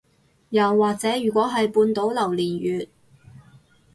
又或者如果係半島榴槤月